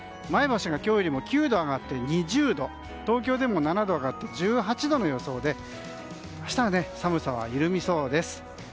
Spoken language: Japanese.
前橋が今日よりも９度上がって２０度東京でも７度上がって１８度の予想で明日は寒さは緩みそうです。